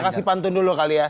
kasih pantun dulu kali ya